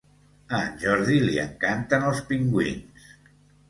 A en Jordi li encanten els pingüins!